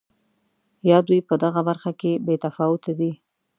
یا دوی په دغه برخه کې بې تفاوته دي.